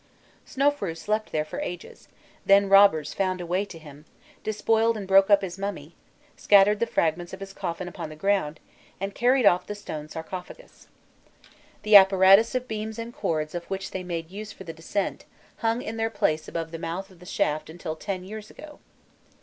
Snofrûi slept there for ages; then robbers found a way to him, despoiled and broke up his mummy, scattered the fragments of his coffin upon the ground, and carried off the stone sarcophagus. The apparatus of beams and cords of which they made use for the descent, hung in their place above the mouth of the shaft until ten years ago.